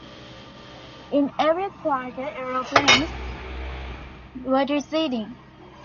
In every quarter aeroplanes were receding.